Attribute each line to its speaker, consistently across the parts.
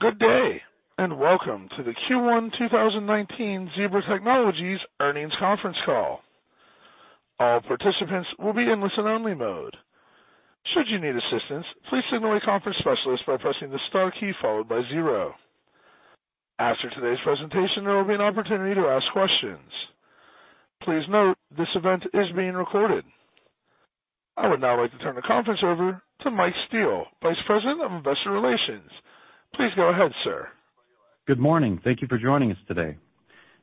Speaker 1: Good day, and welcome to the Q1 2019 Zebra Technologies earnings conference call. All participants will be in listen-only mode. Should you need assistance, please signal a conference specialist by pressing the star key followed by zero. After today's presentation, there will be an opportunity to ask questions. Please note this event is being recorded. I would now like to turn the conference over to Mike Steele, Vice President of Investor Relations. Please go ahead, sir.
Speaker 2: Good morning. Thank you for joining us today.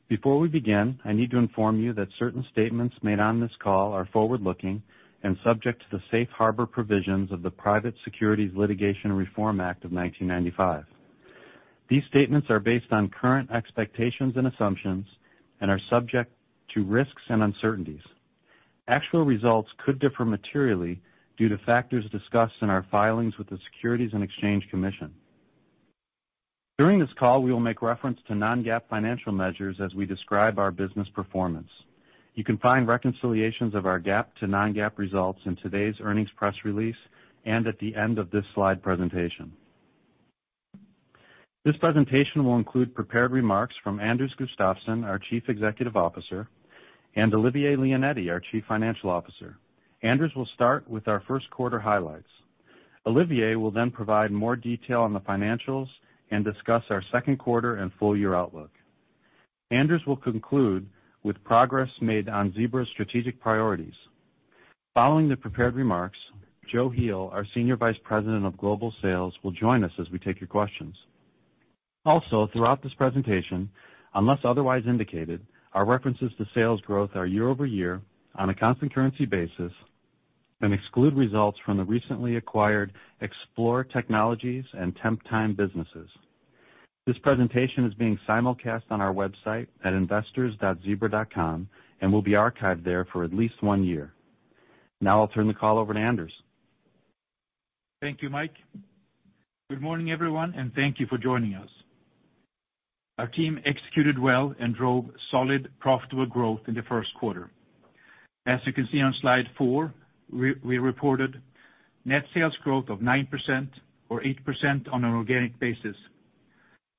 Speaker 2: Before we begin, I need to inform you that certain statements made on this call are forward-looking and subject to the safe harbor provisions of the Private Securities Litigation Reform Act of 1995. These statements are based on current expectations and assumptions and are subject to risks and uncertainties. Actual results could differ materially due to factors discussed in our filings with the Securities and Exchange Commission. During this call, we will make reference to non-GAAP financial measures as we describe our business performance. You can find reconciliations of our GAAP to non-GAAP results in today's earnings press release and at the end of this slide presentation. This presentation will include prepared remarks from Anders Gustafsson, our Chief Executive Officer, and Olivier Leonetti, our Chief Financial Officer. Anders will start with our first quarter highlights. Olivier will then provide more detail on the financials and discuss our second quarter and full-year outlook. Anders will conclude with progress made on Zebra's strategic priorities. Following the prepared remarks, Joe Heel, our Senior Vice President of Global Sales, will join us as we take your questions. Also, throughout this presentation, unless otherwise indicated, our references to sales growth are year-over-year on a constant currency basis and exclude results from the recently acquired Xplore Technologies and Temptime businesses. This presentation is being simulcast on our website at investors.zebra.com and will be archived there for at least one year. I'll turn the call over to Anders.
Speaker 3: Thank you, Mike. Good morning, everyone, and thank you for joining us. Our team executed well and drove solid, profitable growth in the first quarter. As you can see on slide four, we reported net sales growth of 9% or 8% on an organic basis,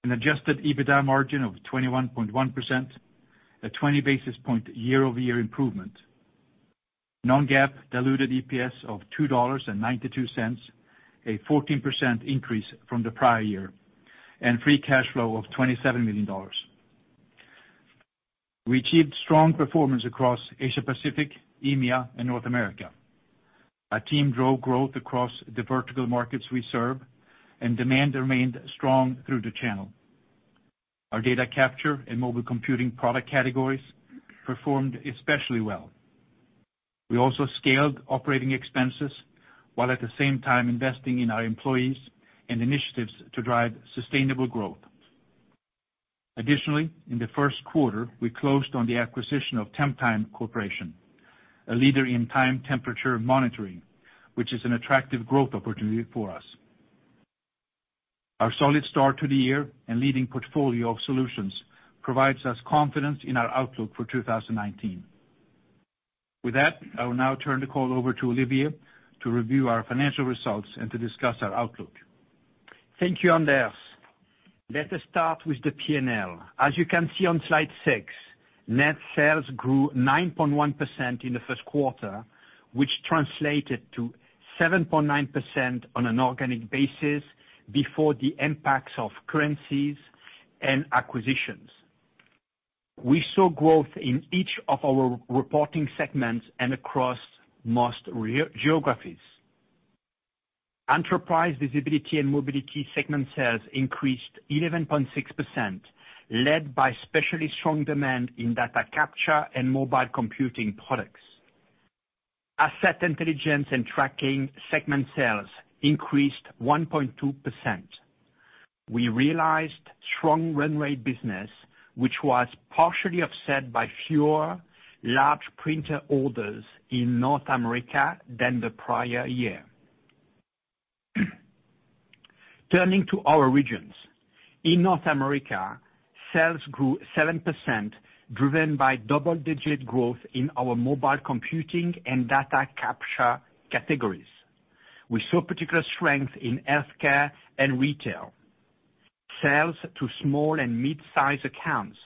Speaker 3: an adjusted EBITDA margin of 21.1%, a 20-basis point year-over-year improvement, non-GAAP diluted EPS of $2.92, a 14% increase from the prior year, and free cash flow of $27 million. We achieved strong performance across Asia Pacific, EMEA, and North America. Our team drove growth across the vertical markets we serve, and demand remained strong through the channel. Our data capture and mobile computing product categories performed especially well. We also scaled operating expenses, while at the same time investing in our employees and initiatives to drive sustainable growth. Additionally, in the first quarter, we closed on the acquisition of Temptime Corporation, a leader in time temperature monitoring, which is an attractive growth opportunity for us. Our solid start to the year and leading portfolio of solutions provides us confidence in our outlook for 2019. With that, I will now turn the call over to Olivier to review our financial results and to discuss our outlook.
Speaker 4: Thank you, Anders. Let us start with the P&L. As you can see on slide six, net sales grew 9.1% in the first quarter, which translated to 7.9% on an organic basis before the impacts of currencies and acquisitions. We saw growth in each of our reporting segments and across most geographies. Enterprise Visibility & Mobility segment sales increased 11.6%, led by especially strong demand in data capture and mobile computing products. Asset Intelligence & Tracking segment sales increased 1.2%. We realized strong run rate business, which was partially offset by fewer large printer orders in North America than the prior year. Turning to our regions. In North America, sales grew 7%, driven by double-digit growth in our mobile computing and data capture categories. We saw particular strength in healthcare and retail. Sales to small and mid-size accounts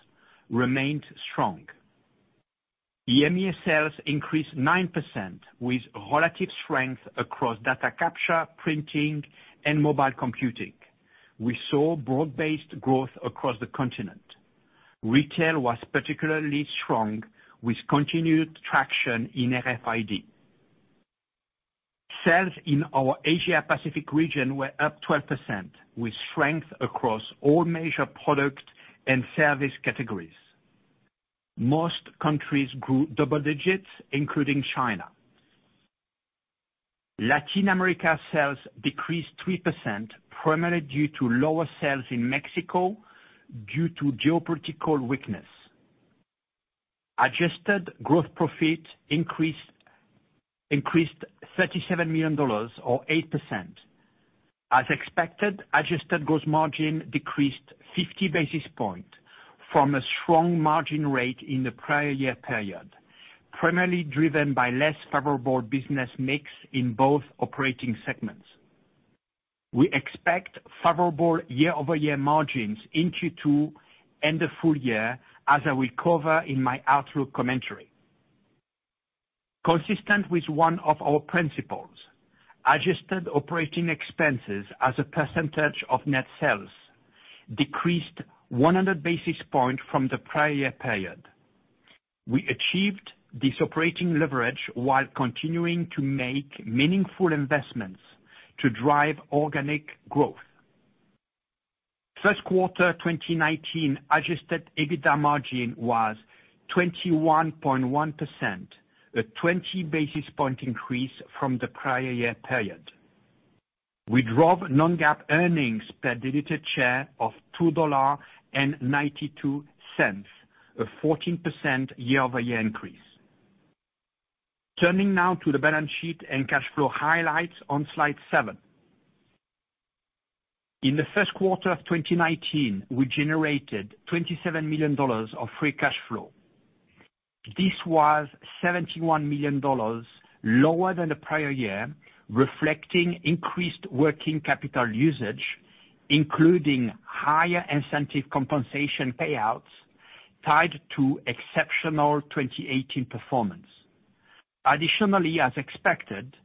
Speaker 4: remained strong. EMEA sales increased 9% with relative strength across data capture, printing, and mobile computing. We saw broad-based growth across the continent. Retail was particularly strong with continued traction in RFID. Sales in our Asia Pacific region were up 12%, with strength across all major product and service categories. Most countries grew double digits, including China. Latin America sales decreased 3%, primarily due to lower sales in Mexico due to geopolitical weakness. Adjusted gross profit increased $37 million or 8%. As expected, adjusted gross margin decreased 50 basis points from a strong margin rate in the prior year period. Primarily driven by less favorable business mix in both operating segments. We expect favorable year-over-year margins in Q2 and the full year, as I will cover in my outlook commentary. Consistent with one of our principles, adjusted operating expenses as a percentage of net sales decreased 100 basis points from the prior period. We achieved this operating leverage while continuing to make meaningful investments to drive organic growth. First quarter 2019 adjusted EBITDA margin was 21.1%, a 20 basis points increase from the prior year period. We drove non-GAAP earnings per diluted share of $2.92, a 14% year-over-year increase. Turning now to the balance sheet and cash flow highlights on slide seven. In the first quarter of 2019, we generated $27 million of free cash flow. This was $71 million lower than the prior year, reflecting increased working capital usage, including higher incentive compensation payouts tied to exceptional 2018 performance. Additionally, as expected,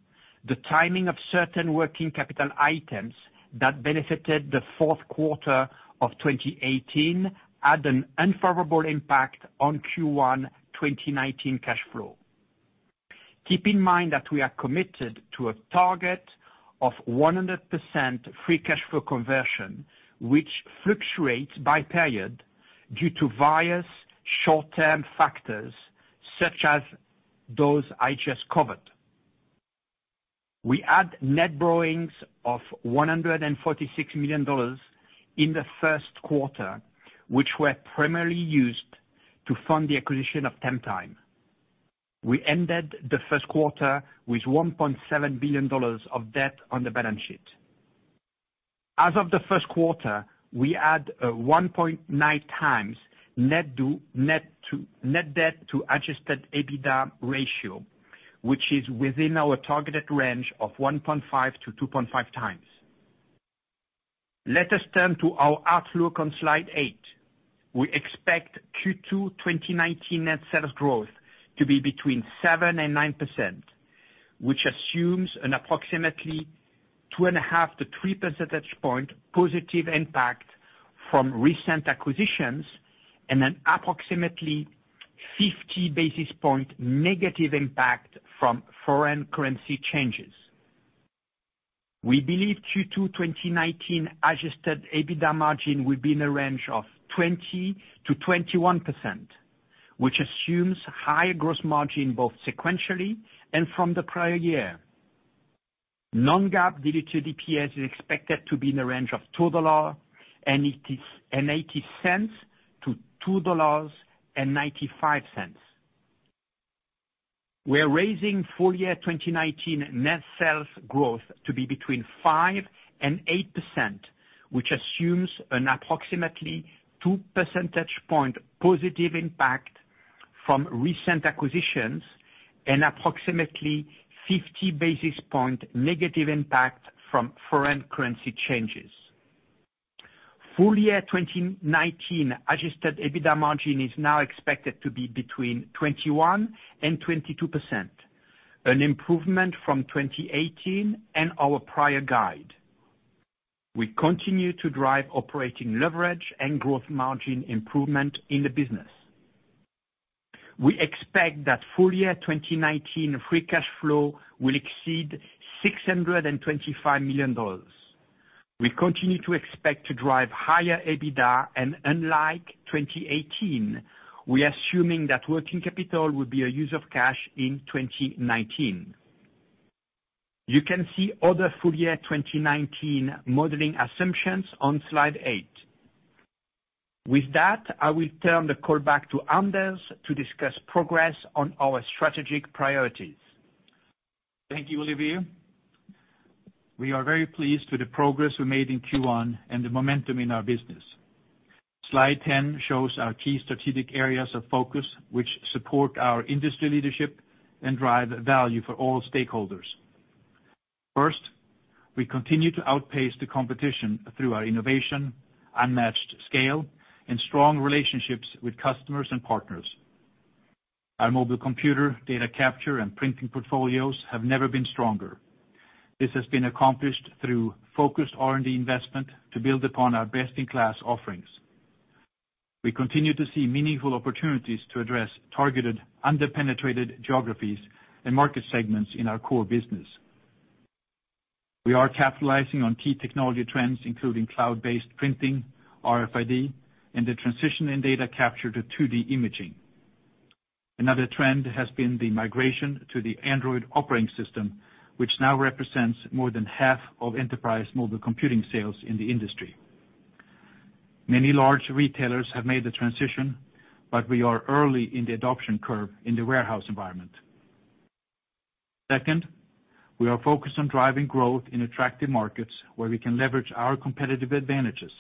Speaker 4: the timing of certain working capital items that benefited the fourth quarter of 2018 had an unfavorable impact on Q1 2019 cash flow. Keep in mind that we are committed to a target of 100% free cash flow conversion, which fluctuates by period due to various short-term factors such as those I just covered. We had net borrowings of $146 million in the first quarter, which were primarily used to fund the acquisition of Temptime. We ended the first quarter with $1.7 billion of debt on the balance sheet. As of the first quarter, we had a 1.9 times net debt to adjusted EBITDA ratio, which is within our targeted range of 1.5 to 2.5 times. Let us turn to our outlook on slide eight. We expect Q2 2019 net sales growth to be between 7% and 9%, which assumes an approximately 2.5-3 percentage point positive impact from recent acquisitions, and an approximately 50 basis point negative impact from foreign currency changes. We believe Q2 2019 adjusted EBITDA margin will be in a range of 20%-21%, which assumes higher gross margin both sequentially and from the prior year. Non-GAAP diluted EPS is expected to be in the range of $2.80-$2.95. We're raising full year 2019 net sales growth to be between 5% and 8%, which assumes an approximately 2 percentage point positive impact from recent acquisitions, and approximately 50 basis point negative impact from foreign currency changes. Full year 2019 adjusted EBITDA margin is now expected to be between 21% and 22%, an improvement from 2018 and our prior guide. We continue to drive operating leverage and gross margin improvement in the business. We expect that full year 2019 free cash flow will exceed $625 million. We continue to expect to drive higher EBITDA, and unlike 2018, we are assuming that working capital will be a use of cash in 2019. You can see other full year 2019 modeling assumptions on slide eight. With that, I will turn the call back to Anders to discuss progress on our strategic priorities.
Speaker 3: Thank you, Olivier. We are very pleased with the progress we made in Q1 and the momentum in our business. Slide 10 shows our key strategic areas of focus which support our industry leadership and drive value for all stakeholders. First, we continue to outpace the competition through our innovation, unmatched scale, and strong relationships with customers and partners. Our mobile computer, data capture, and printing portfolios have never been stronger. This has been accomplished through focused R&D investment to build upon our best-in-class offerings. We continue to see meaningful opportunities to address targeted, under-penetrated geographies and market segments in our core business. We are capitalizing on key technology trends, including cloud-based printing, RFID, and the transition in data capture to 2D imaging. Another trend has been the migration to the Android operating system, which now represents more than half of enterprise mobile computing sales in the industry. Many large retailers have made the transition. We are early in the adoption curve in the warehouse environment. Second, we are focused on driving growth in attractive markets where we can leverage our competitive advantages.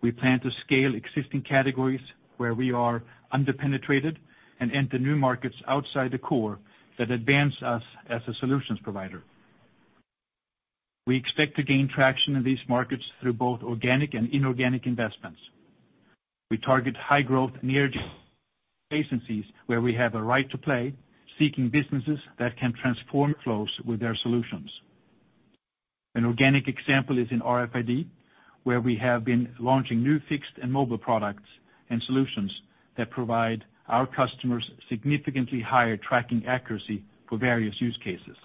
Speaker 3: We plan to scale existing categories where we are under-penetrated and enter new markets outside the core that advance us as a solutions provider. We expect to gain traction in these markets through both organic and inorganic investments. We target high growth near adjacencies where we have a right to play, seeking businesses that can transform flows with their solutions. An organic example is in RFID, where we have been launching new fixed and mobile products and solutions that provide our customers significantly higher tracking accuracy for various use cases.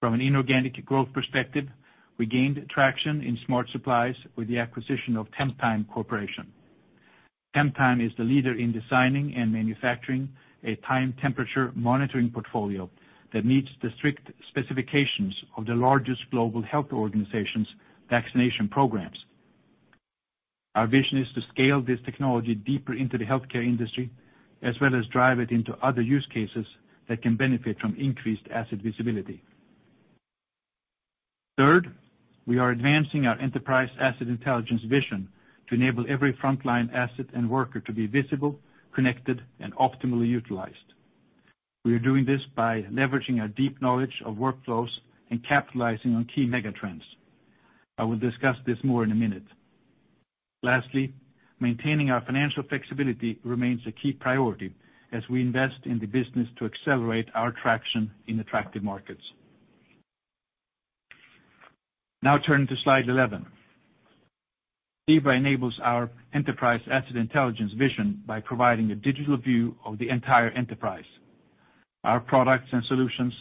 Speaker 3: From an inorganic growth perspective, we gained traction in smart supplies with the acquisition of Temptime Corporation. Temptime is the leader in designing and manufacturing a time temperature monitoring portfolio that meets the strict specifications of the largest global health organization's vaccination programs. Our vision is to scale this technology deeper into the healthcare industry, as well as drive it into other use cases that can benefit from increased asset visibility. Third, we are advancing our Enterprise Asset Intelligence vision to enable every frontline asset and worker to be visible, connected, and optimally utilized. We are doing this by leveraging our deep knowledge of workflows and capitalizing on key mega trends. I will discuss this more in a minute. Lastly, maintaining our financial flexibility remains a key priority as we invest in the business to accelerate our traction in attractive markets. Now turning to slide 11. Zebra enables our Enterprise Asset Intelligence vision by providing a digital view of the entire enterprise. Our products and solutions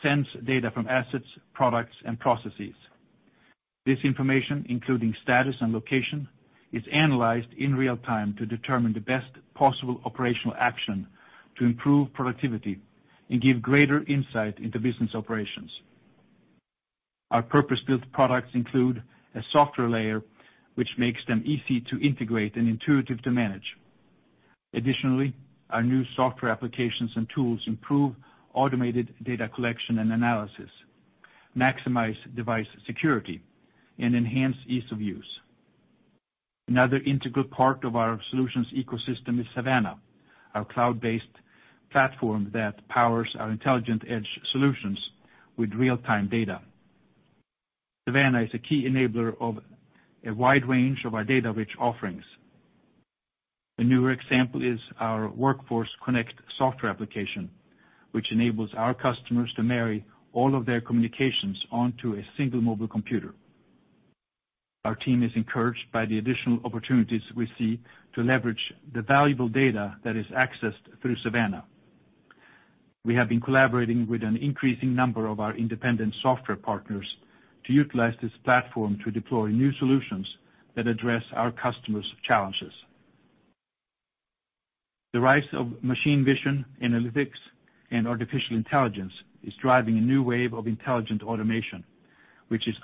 Speaker 3: sense data from assets, products, and processes. This information, including status and location, is analyzed in real time to determine the best possible operational action to improve productivity and give greater insight into business operations. Our purpose-built products include a software layer, which makes them easy to integrate and intuitive to manage. Additionally, our new software applications and tools improve automated data collection and analysis, maximize device security, and enhance ease of use. Another integral part of our solutions ecosystem is Savanna, our cloud-based platform that powers our intelligent edge solutions with real-time data. Savanna is a key enabler of a wide range of our data-rich offerings. A newer example is our Workforce Connect software application, which enables our customers to marry all of their communications onto a single mobile computer. Our team is encouraged by the additional opportunities we see to leverage the valuable data that is accessed through Savanna. We have been collaborating with an increasing number of our independent software partners to utilize this platform to deploy new solutions that address our customers' challenges. The rise of machine vision analytics and artificial intelligence is driving a new wave of intelligent automation, which is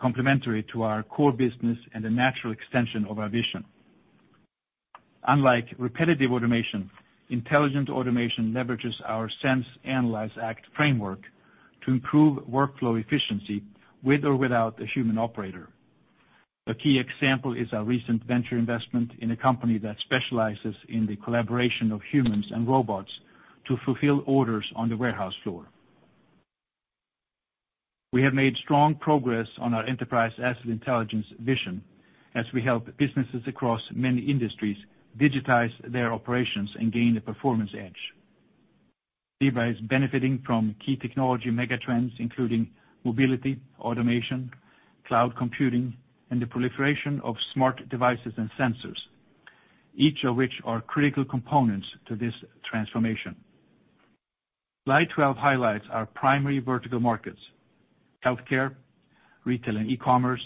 Speaker 3: complementary to our core business and a natural extension of our vision. Unlike repetitive automation, intelligent automation leverages our sense, analyze, and act framework to improve workflow efficiency with or without a human operator. A key example is our recent venture investment in a company that specializes in the collaboration of humans and robots to fulfill orders on the warehouse floor. We have made strong progress on our Enterprise Asset Intelligence vision as we help businesses across many industries digitize their operations and gain a performance edge. Zebra is benefiting from key technology mega trends, including mobility, automation, cloud computing, and the proliferation of smart devices and sensors, each of which are critical components to this transformation. Slide 12 highlights our primary vertical markets: healthcare, retail and e-commerce,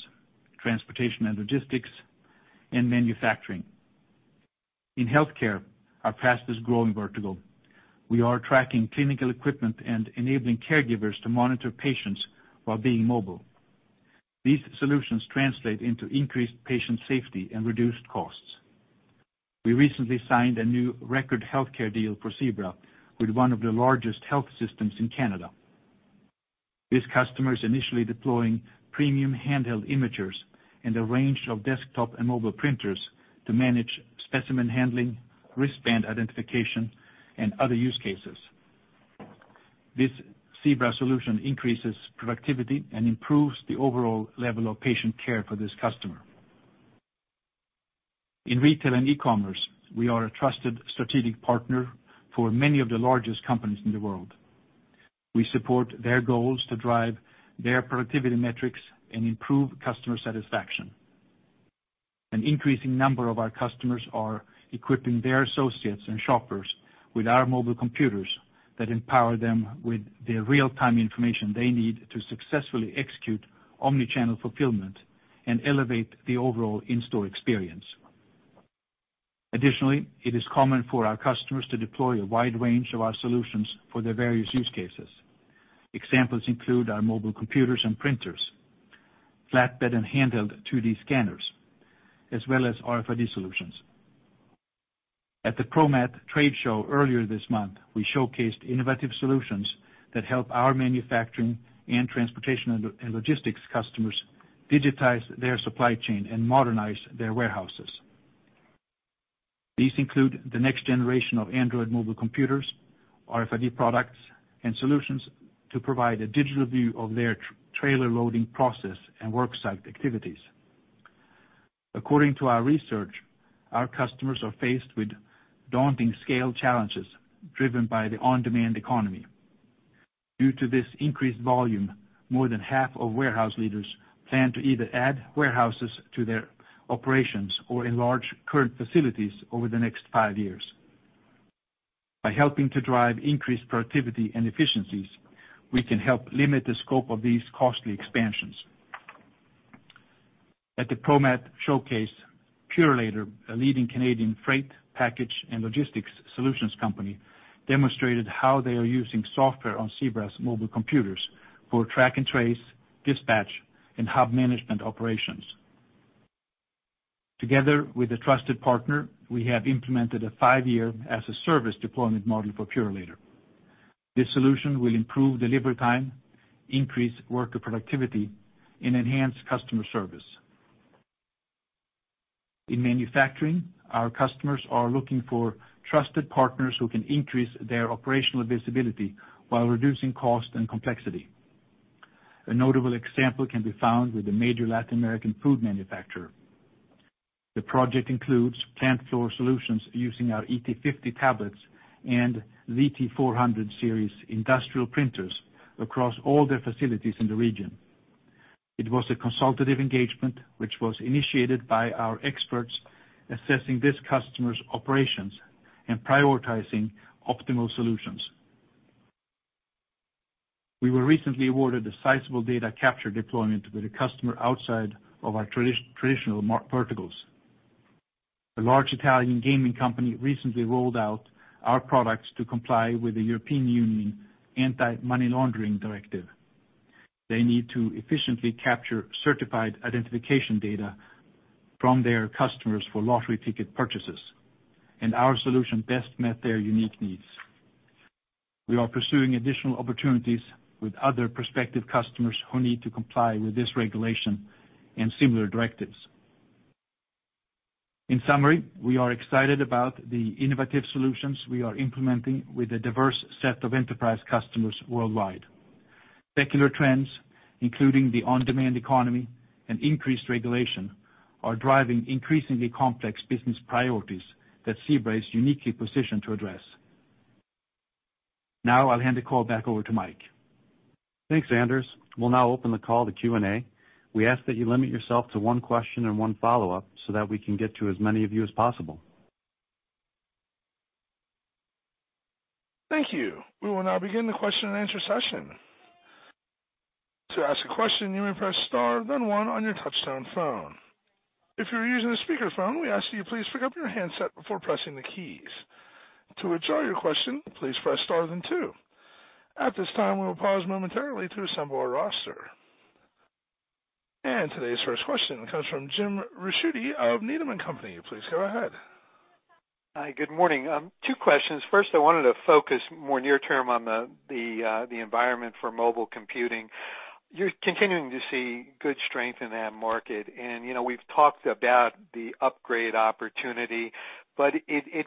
Speaker 3: transportation and logistics, and manufacturing. In healthcare, our fastest growing vertical. We are tracking clinical equipment and enabling caregivers to monitor patients while being mobile. These solutions translate into increased patient safety and reduced costs. We recently signed a new record healthcare deal for Zebra with one of the largest health systems in Canada. This customer is initially deploying premium handheld imagers and a range of desktop and mobile printers to manage specimen handling, wristband identification, and other use cases. This Zebra solution increases productivity and improves the overall level of patient care for this customer. In retail and e-commerce, we are a trusted strategic partner for many of the largest companies in the world. We support their goals to drive their productivity metrics and improve customer satisfaction. An increasing number of our customers are equipping their associates and shoppers with our mobile computers that empower them with the real-time information they need to successfully execute omnichannel fulfillment and elevate the overall in-store experience. Additionally, it is common for our customers to deploy a wide range of our solutions for their various use cases. Examples include our mobile computers and printers, flatbed and handheld 2D scanners, as well as RFID solutions. At the ProMat trade show earlier this month, we showcased innovative solutions that help our manufacturing and transportation and logistics customers digitize their supply chain and modernize their warehouses. These include the next generation of Android mobile computers, RFID products, and solutions to provide a digital view of their trailer loading process and work site activities. According to our research, our customers are faced with daunting scale challenges driven by the on-demand economy. Due to this increased volume, more than half of warehouse leaders plan to either add warehouses to their operations or enlarge current facilities over the next five years. By helping to drive increased productivity and efficiencies, we can help limit the scope of these costly expansions. At the ProMat showcase, Purolator, a leading Canadian freight, package, and logistics solutions company, demonstrated how they are using software on Zebra's mobile computers for track and trace, dispatch, and hub management operations. Together with a trusted partner, we have implemented a five-year as a service deployment model for Purolator. This solution will improve delivery time, increase worker productivity, and enhance customer service. In manufacturing, our customers are looking for trusted partners who can increase their operational visibility while reducing cost and complexity. A notable example can be found with a major Latin American food manufacturer. The project includes plant floor solutions using our ET50 tablets and ZT400 series industrial printers across all their facilities in the region. It was a consultative engagement, which was initiated by our experts assessing this customer's operations and prioritizing optimal solutions. We were recently awarded a sizable data capture deployment with a customer outside of our traditional verticals. A large Italian gaming company recently rolled out our products to comply with the European Union Anti-Money Laundering Directive. They need to efficiently capture certified identification data from their customers for lottery ticket purchases. Our solution best met their unique needs. We are pursuing additional opportunities with other prospective customers who need to comply with this regulation and similar directives. In summary, we are excited about the innovative solutions we are implementing with a diverse set of enterprise customers worldwide. Secular trends, including the on-demand economy and increased regulation, are driving increasingly complex business priorities that Zebra is uniquely positioned to address. Now I'll hand the call back over to Mike.
Speaker 2: Thanks, Anders. We'll now open the call to Q&A. We ask that you limit yourself to one question and one follow-up so that we can get to as many of you as possible.
Speaker 1: Thank you. We will now begin the question and answer session. To ask a question, you may press star then one on your touchtone phone. If you're using a speakerphone, we ask that you please pick up your handset before pressing the keys. To withdraw your question, please press star then two. At this time, we will pause momentarily to assemble our roster. Today's first question comes from James Ricchiuti of Needham & Company. Please go ahead.
Speaker 5: Hi, good morning. Two questions. First, I wanted to focus more near term on the environment for mobile computing. You're continuing to see good strength in that market, and we've talked about the upgrade opportunity, but it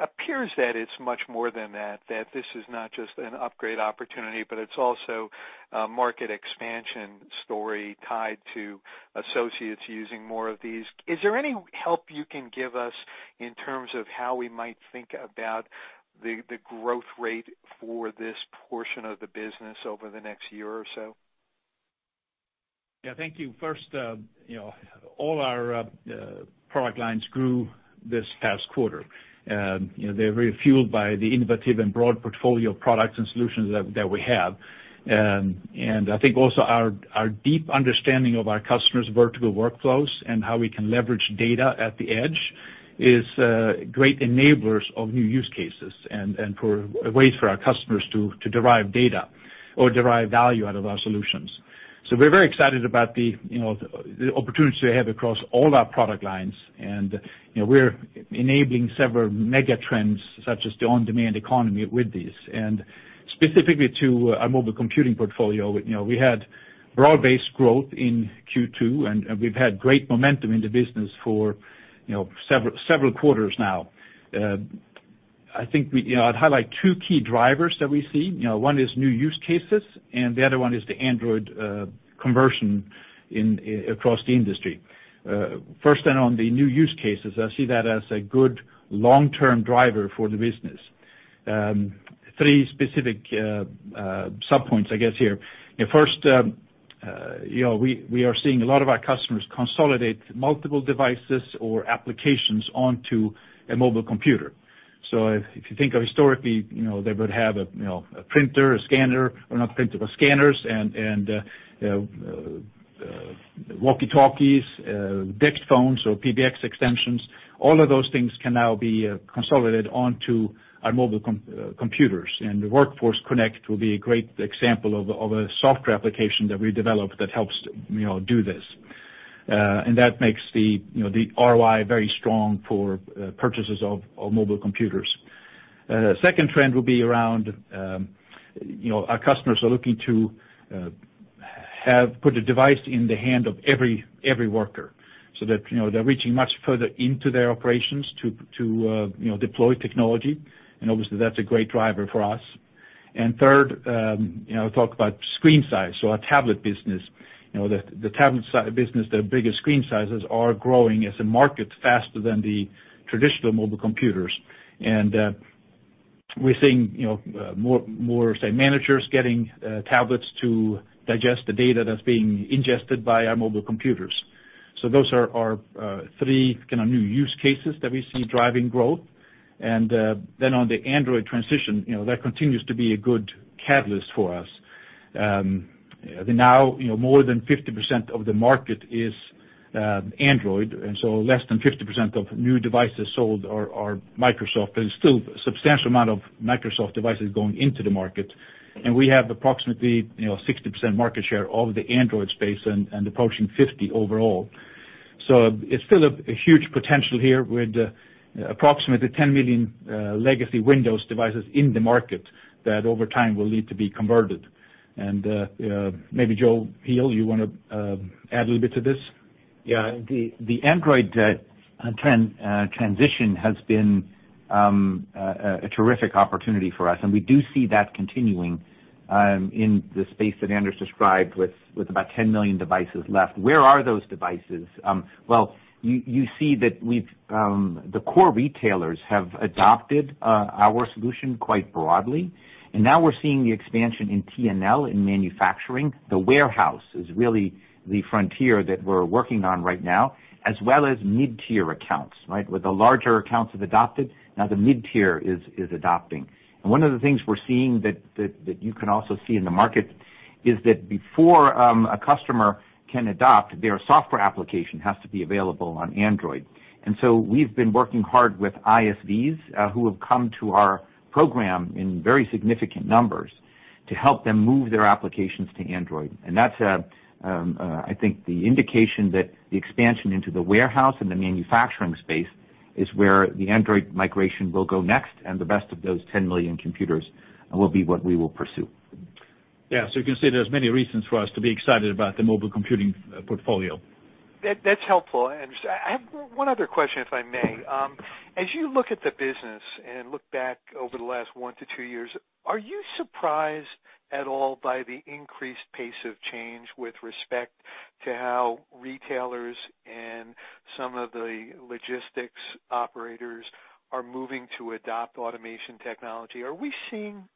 Speaker 5: appears that it's much more than that this is not just an upgrade opportunity, but it's also a market expansion story tied to associates using more of these. Is there any help you can give us in terms of how we might think about the growth rate for this portion of the business over the next year or so?
Speaker 3: Yeah, thank you. First, all our product lines grew this past quarter. They're very fueled by the innovative and broad portfolio of products and solutions that we have. I think also our deep understanding of our customers' vertical workflows and how we can leverage data at the edge is great enablers of new use cases and for ways for our customers to derive data or derive value out of our solutions. We're very excited about the opportunities we have across all our product lines, and we're enabling several mega trends, such as the on-demand economy with these. Specifically to our mobile computing portfolio, we had broad-based growth in Q2, and we've had great momentum in the business for several quarters now. I'd highlight two key drivers that we see. One is new use cases, and the other one is the Android conversion across the industry. On the new use cases, I see that as a good long-term driver for the business. Three specific sub-points, I guess, here. First, we are seeing a lot of our customers consolidate multiple devices or applications onto a mobile computer. If you think of historically, they would have a printer, a scanner, or not a printer, but scanners and walkie-talkies, DECT phones or PBX extensions. All of those things can now be consolidated onto our mobile computers, and Workforce Connect will be a great example of a software application that we developed that helps do this. And that makes the ROI very strong for purchases of mobile computers. Second trend will be around, our customers are looking to put a device in the hand of every worker, so that they're reaching much further into their operations to deploy technology. Obviously, that's a great driver for us. Third, talk about screen size. Our tablet business, the biggest screen sizes are growing as a market faster than the traditional mobile computers. We're seeing more, say, managers getting tablets to digest the data that's being ingested by our mobile computers. Those are our three kind of new use cases that we see driving growth. Then on the Android transition, that continues to be a good catalyst for us. Now more than 50% of the market is Android, and so less than 50% of new devices sold are Microsoft. There's still a substantial amount of Microsoft devices going into the market. We have approximately 60% market share of the Android space and approaching 50% overall. It's still a huge potential here with approximately 10 million legacy Windows devices in the market, that over time will need to be converted. Maybe Joe Heel, you want to add a little bit to this?
Speaker 6: Yeah. The Android transition has been a terrific opportunity for us, we do see that continuing, in the space that Anders described, with about 10 million devices left. Where are those devices? Well, you see that the core retailers have adopted our solution quite broadly, now we're seeing the expansion in P&L in manufacturing. The warehouse is really the frontier that we're working on right now, as well as mid-tier accounts. With the larger accounts have adopted, now the mid-tier is adopting. One of the things we're seeing that you can also see in the market is that before a customer can adopt, their software application has to be available on Android. We've been working hard with ISVs, who have come to our program in very significant numbers, to help them move their applications to Android. That's, I think, the indication that the expansion into the warehouse and the manufacturing space is where the Android migration will go next, the rest of those 10 million computers will be what we will pursue.
Speaker 3: Yeah. You can see there's many reasons for us to be excited about the mobile computing portfolio.
Speaker 5: That's helpful, Anders. I have one other question, if I may. As you look at the business and look back over the last one to two years, are you surprised at all by the increased pace of change with respect to how retailers and some of the logistics operators are moving to adopt automation technology? Are we seeing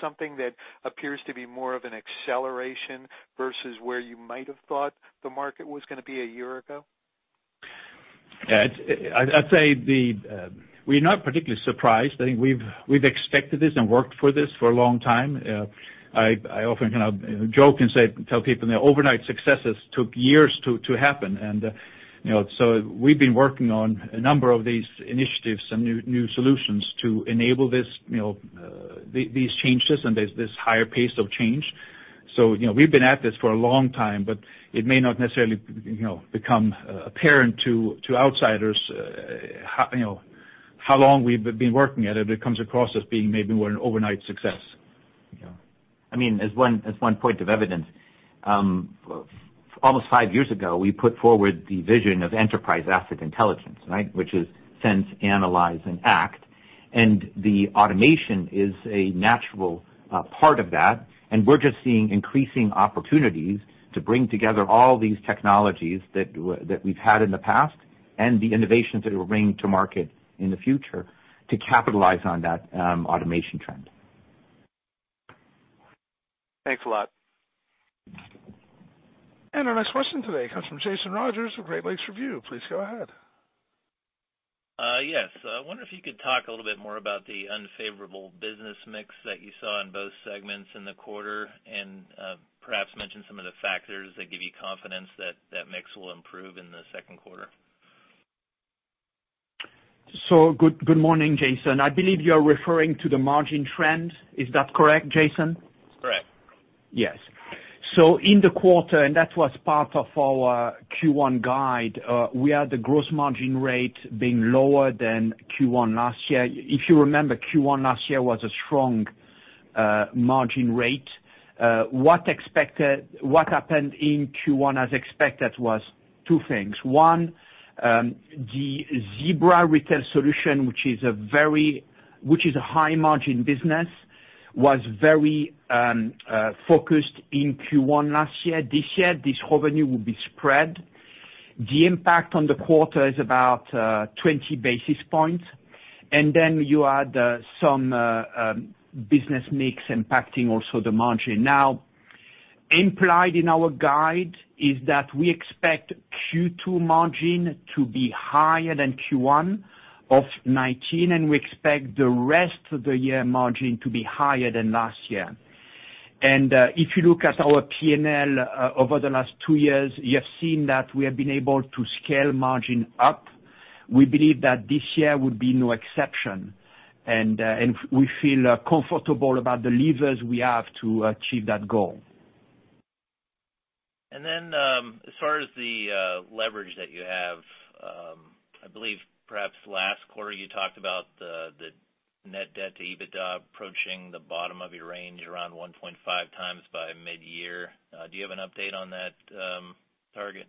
Speaker 5: something that appears to be more of an acceleration versus where you might have thought the market was going to be a year ago?
Speaker 3: Yeah. I'd say we're not particularly surprised. I think we've expected this and worked for this for a long time. I often kind of joke and tell people that overnight successes took years to happen. We've been working on a number of these initiatives and new solutions to enable these changes and this higher pace of change. We've been at this for a long time, but it may not necessarily become apparent to outsiders how long we've been working at it. It comes across as being maybe more an overnight success.
Speaker 6: As one point of evidence, almost five years ago, we put forward the vision of Enterprise Asset Intelligence. Which is sense, analyze, and act. The automation is a natural part of that, and we're just seeing increasing opportunities to bring together all these technologies that we've had in the past and the innovations that we're bringing to market in the future to capitalize on that automation trend.
Speaker 5: Thanks a lot.
Speaker 1: Our next question today comes from Jason Rogers with Great Lakes Review. Please go ahead.
Speaker 7: Yes. I wonder if you could talk a little bit more about the unfavorable business mix that you saw in both segments in the quarter and perhaps mention some of the factors that give you confidence that that mix will improve in the second quarter.
Speaker 4: Good morning, Jason. I believe you're referring to the margin trend. Is that correct, Jason?
Speaker 7: Correct.
Speaker 4: Yes. In the quarter, and that was part of our Q1 guide, we had the gross margin rate being lower than Q1 last year. If you remember, Q1 last year was a strong, margin rate. What happened in Q1 as expected was two things. One, the Zebra retail solution, which is a high margin business, was very focused in Q1 last year. This year, this revenue will be spread. The impact on the quarter is about 20 basis points. You add some business mix impacting also the margin. Now, implied in our guide is that we expect Q2 margin to be higher than Q1 of 2019, and we expect the rest of the year margin to be higher than last year. If you look at our P&L over the last two years, you have seen that we have been able to scale margin up We believe that this year will be no exception, and we feel comfortable about the levers we have to achieve that goal.
Speaker 7: As far as the leverage that you have, I believe perhaps last quarter you talked about the net debt to EBITDA approaching the bottom of your range around 1.5 times by mid-year. Do you have an update on that target?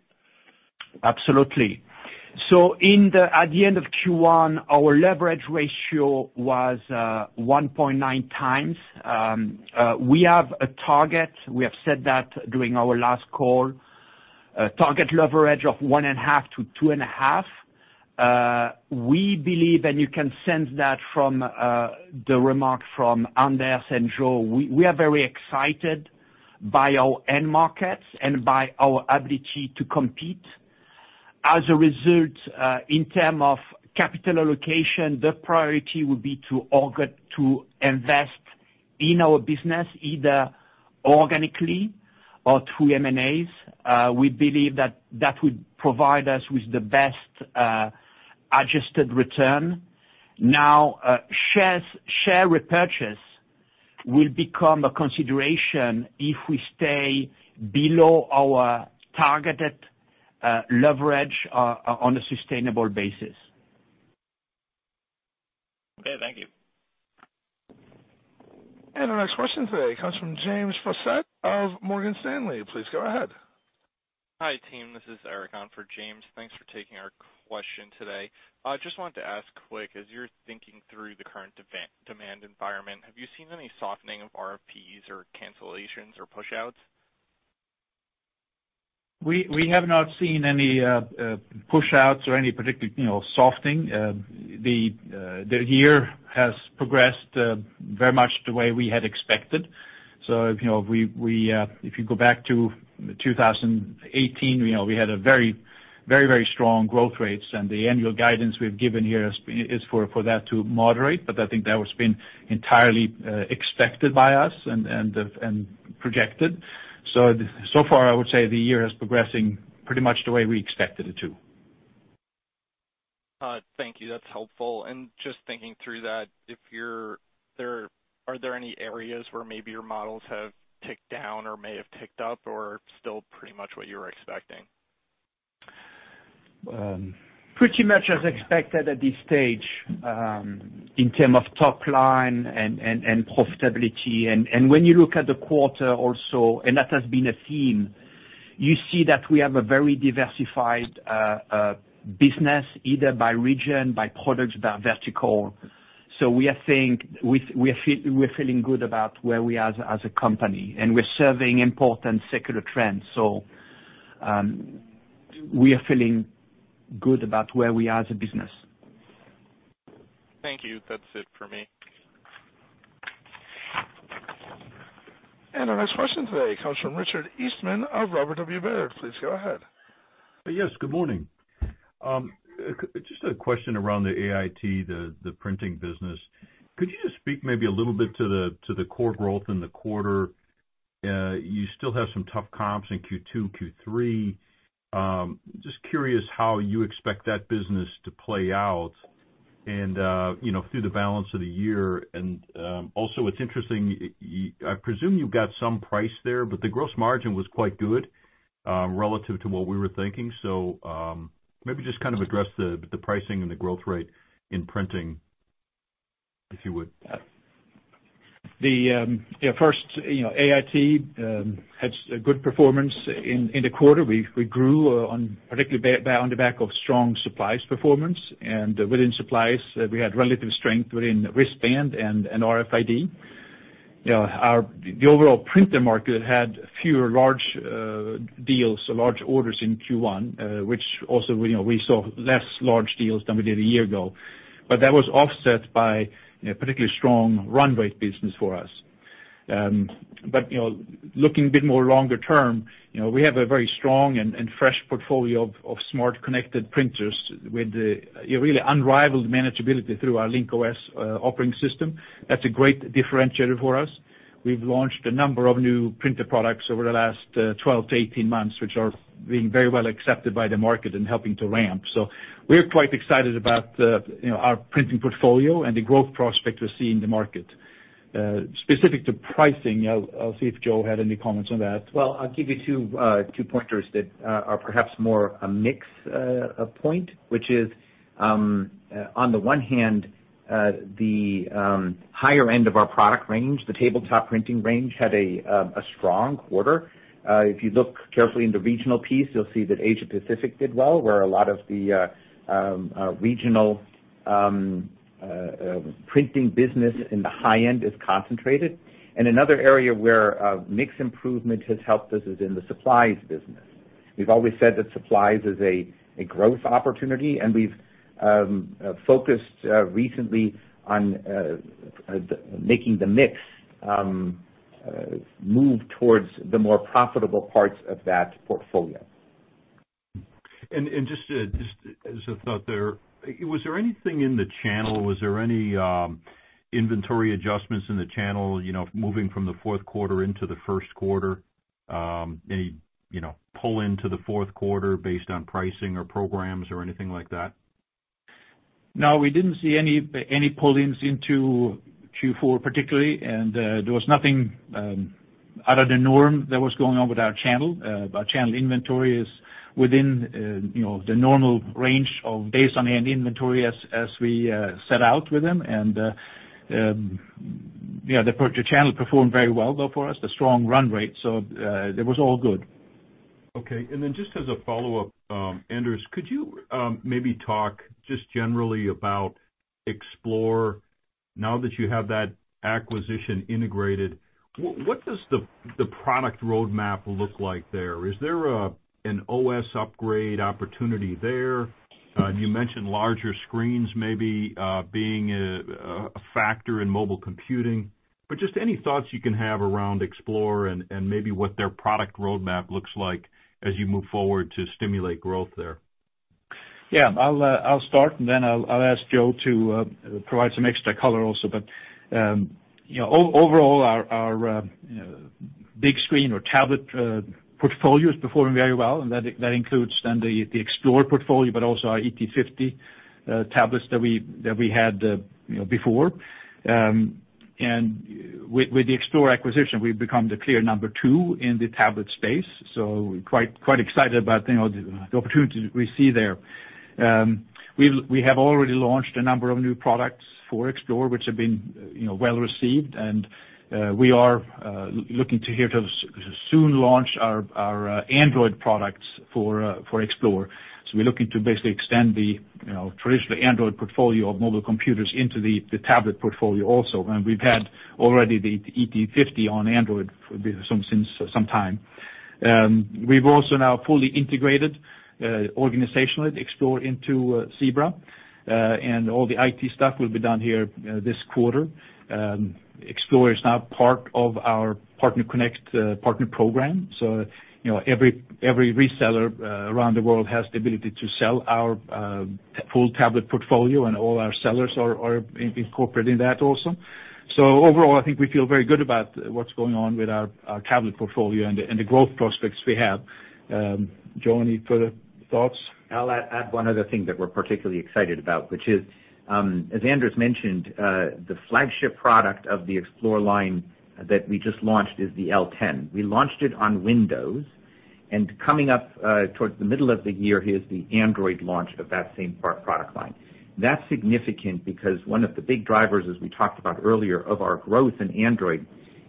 Speaker 4: Absolutely. At the end of Q1, our leverage ratio was 1.9 times. We have a target. We have said that during our last call, target leverage of 1.5 to 2.5. We believe, and you can sense that from the remark from Anders and Joe, we are very excited by our end markets and by our ability to compete. As a result, in term of capital allocation, the priority will be to invest in our business, either organically or through M&A. We believe that would provide us with the best adjusted return. Share repurchase will become a consideration if we stay below our targeted leverage on a sustainable basis.
Speaker 7: Okay, thank you.
Speaker 1: Our next question today comes from James Faucette of Morgan Stanley. Please go ahead.
Speaker 8: Hi, team. This is Eric on for James. Thanks for taking our question today. I just wanted to ask quick, as you're thinking through the current demand environment, have you seen any softening of RFP or cancellations or pushouts?
Speaker 3: We have not seen any pushouts or any particular softening. The year has progressed very much the way we had expected. If you go back to 2018, we had very strong growth rates, and the annual guidance we've given here is for that to moderate. I think that has been entirely expected by us and projected. So far, I would say the year is progressing pretty much the way we expected it to.
Speaker 8: Thank you. That's helpful. Just thinking through that, are there any areas where maybe your models have ticked down or may have ticked up or still pretty much what you were expecting?
Speaker 4: Pretty much as expected at this stage, in term of top line and profitability. When you look at the quarter also, and that has been a theme, you see that we have a very diversified business, either by region, by products, by vertical. We're feeling good about where we are as a company, and we're serving important secular trends. We are feeling good about where we are as a business.
Speaker 8: Thank you. That's it for me.
Speaker 1: Our next question today comes from Richard Eastman of Robert W. Baird. Please go ahead.
Speaker 9: Yes, good morning. Just a question around the AIT, the printing business. Could you just speak maybe a little bit to the core growth in the quarter? You still have some tough comps in Q2, Q3. Just curious how you expect that business to play out through the balance of the year. Also it's interesting, I presume you've got some price there, but the gross margin was quite good, relative to what we were thinking. Maybe just address the pricing and the growth rate in printing, if you would.
Speaker 3: First, AIT had a good performance in the quarter. We grew particularly on the back of strong supplies performance. Within supplies, we had relative strength within wristband and RFID. The overall printer market had fewer large deals or large orders in Q1, which also we saw less large deals than we did a year ago. That was offset by a particularly strong run rate business for us. Looking a bit more longer term, we have a very strong and fresh portfolio of smart connected printers with a really unrivaled manageability through our Link-OS operating system. That's a great differentiator for us. We've launched a number of new printer products over the last 12 to 18 months, which are being very well accepted by the market and helping to ramp. We're quite excited about our printing portfolio and the growth prospect we see in the market. Specific to pricing, I'll see if Joe Heel had any comments on that.
Speaker 6: Well, I'll give you two pointers that are perhaps more a mix point, which is, on the one hand, the higher end of our product range, the tabletop printing range, had a strong quarter. If you look carefully in the regional piece, you'll see that Asia Pacific did well, where a lot of the regional printing business in the high end is concentrated. Another area where mix improvement has helped us is in the supplies business. We've always said that supplies is a growth opportunity, and we've focused recently on making the mix move towards the more profitable parts of that portfolio.
Speaker 9: Just as a thought there, was there anything in the channel, was there any inventory adjustments in the channel, moving from the fourth quarter into the first quarter? Any pull into the fourth quarter based on pricing or programs or anything like that?
Speaker 3: No, we didn't see any pull-ins into Q4 particularly. There was nothing out of the norm that was going on with our channel. Our channel inventory is within the normal range of days on hand inventory as we set out with them. The PartnerConnect channel performed very well though for us, the strong run rate. It was all good.
Speaker 9: Okay. Just as a follow-up, Anders, could you maybe talk just generally about Xplore now that you have that acquisition integrated? What does the product roadmap look like there? Is there an OS upgrade opportunity there? You mentioned larger screens maybe being a factor in mobile computing, but just any thoughts you can have around Xplore and maybe what their product roadmap looks like as you move forward to stimulate growth there.
Speaker 3: Yeah. I'll start, I'll ask Joe to provide some extra color also. Overall, our big screen or tablet portfolio is performing very well, and that includes the Xplore portfolio, but also our ET50 tablets that we had before. With the Xplore acquisition, we've become the clear number two in the tablet space. We're quite excited about the opportunities we see there. We have already launched a number of new products for Xplore, which have been well-received, we are looking to here to soon launch our Android products for Xplore. We're looking to basically extend the traditionally Android portfolio of mobile computers into the tablet portfolio also. We've had already the ET50 on Android for sometime. We've also now fully integrated organizationally Xplore into Zebra, and all the IT stuff will be done here this quarter. Xplore is now part of our PartnerConnect partner program. Every reseller around the world has the ability to sell our full tablet portfolio, and all our sellers are incorporating that also. Overall, I think we feel very good about what's going on with our tablet portfolio and the growth prospects we have. Joe, any further thoughts?
Speaker 6: I'll add one other thing that we're particularly excited about, which is, as Anders mentioned, the flagship product of the Xplore line that we just launched is the L10. We launched it on Windows, coming up towards the middle of the year is the Android launch of that same product line. That's significant because one of the big drivers, as we talked about earlier, of our growth in Android,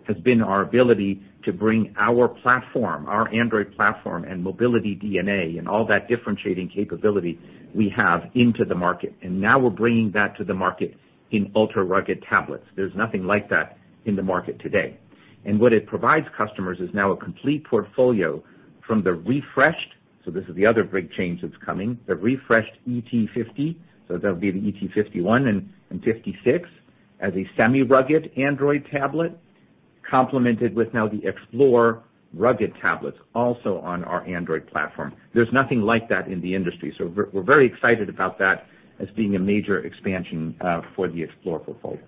Speaker 6: has been our ability to bring our platform, our Android platform, and Mobility DNA and all that differentiating capability we have into the market. Now we're bringing that to the market in ultra-rugged tablets. There's nothing like that in the market today. What it provides customers is now a complete portfolio from the refreshed, so this is the other big change that's coming, the refreshed ET50. That'll be the ET51 and 56 as a semi-rugged Android tablet, complemented with now the Xplore rugged tablets also on our Android platform. There's nothing like that in the industry, so we're very excited about that as being a major expansion for the Xplore portfolio.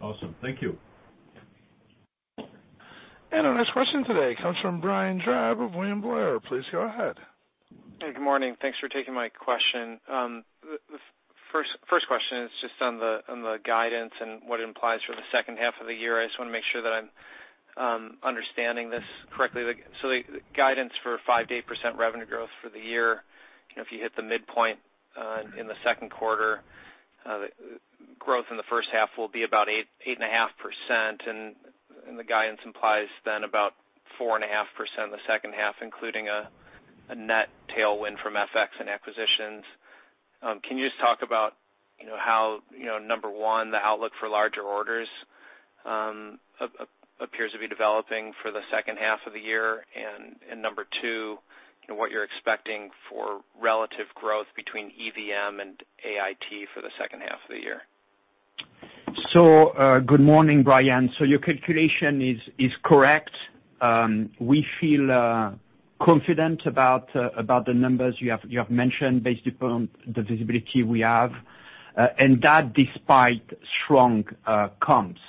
Speaker 9: Awesome. Thank you.
Speaker 1: Our next question today comes from Brian Drab of William Blair. Please go ahead.
Speaker 10: Hey, good morning. Thanks for taking my question. The first question is just on the guidance and what it implies for the second half of the year. I just want to make sure that I'm understanding this correctly. The guidance for 5%-8% revenue growth for the year, if you hit the midpoint in the second quarter, the growth in the first half will be about 8.5%, and the guidance implies then about 4.5% in the second half, including a net tailwind from FX and acquisitions. Can you just talk about how, number one, the outlook for larger orders appears to be developing for the second half of the year? Number two, what you're expecting for relative growth between EVM and AIT for the second half of the year.
Speaker 4: Good morning, Brian. Your calculation is correct. We feel confident about the numbers you have mentioned based upon the visibility we have, and that despite strong comps.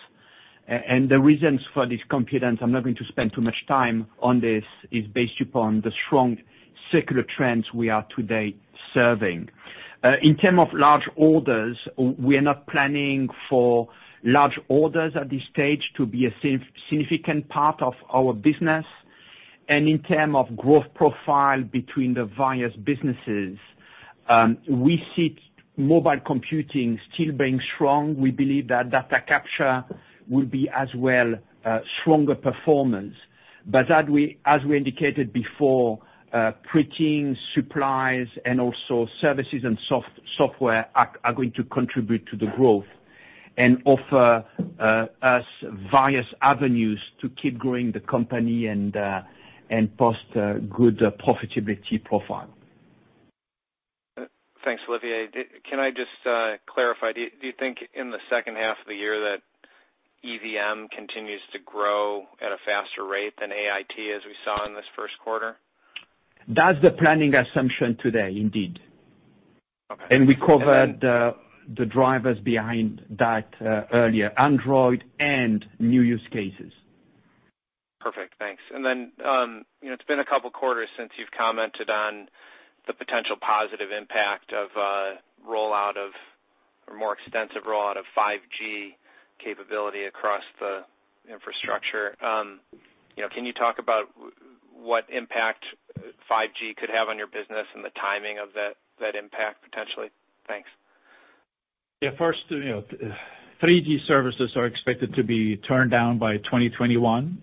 Speaker 4: The reasons for this confidence, I'm not going to spend too much time on this, is based upon the strong secular trends we are today serving. In term of large orders, we are not planning for large orders at this stage to be a significant part of our business. In term of growth profile between the various businesses, we see mobile computing still being strong. We believe that data capture will be as well a stronger performance. As we indicated before, printing, supplies, and also services and software are going to contribute to the growth and offer us various avenues to keep growing the company and post a good profitability profile.
Speaker 10: Thanks, Olivier. Can I just clarify, do you think in the second half of the year that EVM continues to grow at a faster rate than AIT as we saw in this first quarter?
Speaker 3: That's the planning assumption today, indeed. And we covered the drivers behind that earlier, Android and new use cases.
Speaker 10: Perfect. Thanks. It's been a couple quarters since you've commented on the potential positive impact of a more extensive rollout of 5G capability across the infrastructure. Can you talk about what impact 5G could have on your business, and the timing of that impact, potentially? Thanks.
Speaker 3: Yeah. First, 3G services are expected to be turned down by 2021.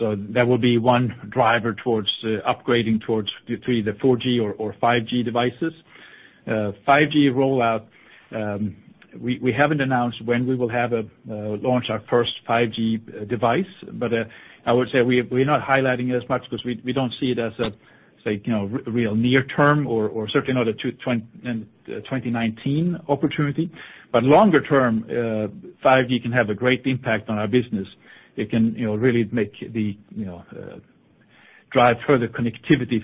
Speaker 3: That will be one driver towards upgrading towards either 4G or 5G devices. 5G rollout, we haven't announced when we will launch our first 5G device. I would say, we're not highlighting it as much because we don't see it as a real near term or certainly not a 2019 opportunity. Longer term, 5G can have a great impact on our business. It can really drive further connectivity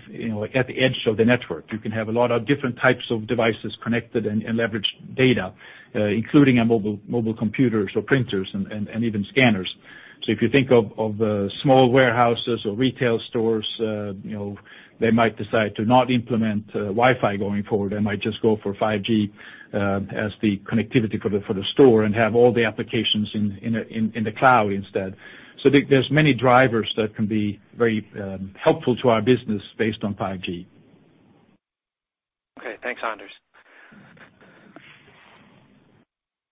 Speaker 3: at the edge of the network. You can have a lot of different types of devices connected and leverage data, including mobile computers or printers and even scanners. If you think of small warehouses or retail stores, they might decide to not implement Wi-Fi going forward. They might just go for 5G as the connectivity for the store and have all the applications in the cloud instead. There's many drivers that can be very helpful to our business based on 5G.
Speaker 10: Okay. Thanks, Anders.